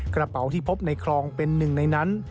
กระเป๋าที่พบในคลองเป็นหนึ่งในนั้น